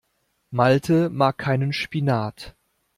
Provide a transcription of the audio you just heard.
Malte mag keinen Spinat.